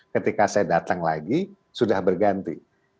ketika saya datang lagi sudah berganti